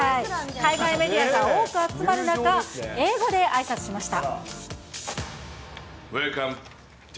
海外メディアが多く集まる中、英語であいさつしました。